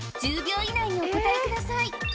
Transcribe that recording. １０秒以内にお答えください